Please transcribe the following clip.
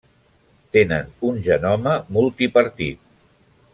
Tenen un genoma multipartit.